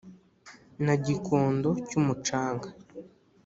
Na Gikondo cy'umucanga